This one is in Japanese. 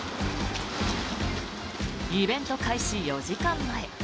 イベント開始４時間前。